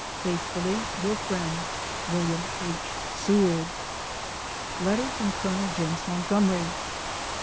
Faithfully your friend, WILLIAM H. SEWARD. Letter from Col. James Montgomery. ST.